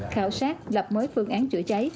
khảo sát lập mới phương án chữa cháy